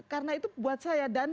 karena itu buat saya